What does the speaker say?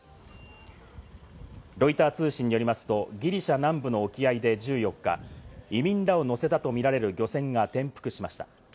ロイター通信によりますと、ギリシャ南部の沖合で１４日、移民らを乗せたとみられる漁船が転覆しました。